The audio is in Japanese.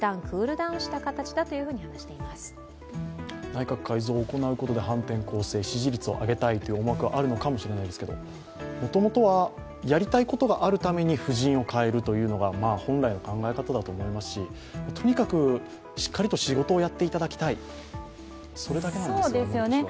内閣改造を行うことで反転攻勢、支持率を上げたい思惑があるのかもしれませんけどもともとはやりたいことがあるために布陣を変えるというのが本来の考え方だと思いますし、とにかくしっかりと仕事をやっていただきたい、それだけなんですよね。